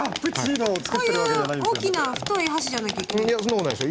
こういう大きな太い箸じゃなきゃいけないんですか？